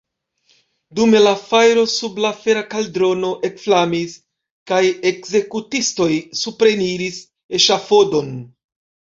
Dume la fajro sub la fera kaldrono ekflamis, kaj ekzekutistoj supreniris eŝafodon.